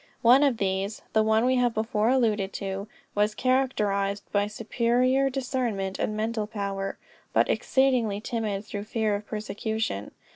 One of these (the one we have before alluded to) was characterized by superior discernment and mental power, but exceedingly timid through fear of persecution.